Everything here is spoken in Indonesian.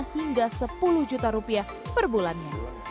hingga sepuluh juta rupiah per bulannya